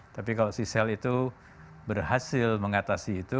tapi kalau si sel itu berhasil mengatasi itu